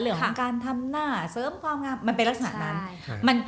เรื่องของการทำหน้าเสริมความงามมันเป็นลักษณะนั้น